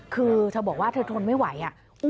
คือเธอบอกว่าเธอทนไม่ไหวอ่ะ